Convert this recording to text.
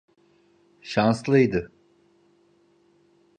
Şanslıydı.